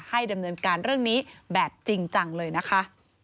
ให้ดำเนินการเรื่องนี้แบบจริงจังเลยนะคะ